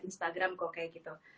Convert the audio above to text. instagram kok kayak gitu